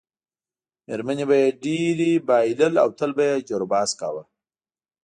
میرمنې به یې ډېری بایلل او تل به یې جروبحث کاوه.